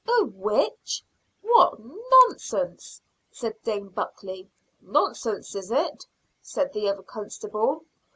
"A witch what nonsense!" said Dame Buckley. "Nonsense, is it?" said the other constable.